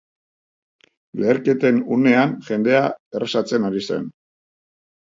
Leherketen unean jendea errezatzen ari zen.